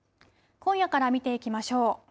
今夜から見ていきましょう。